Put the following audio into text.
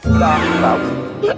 udah udah udah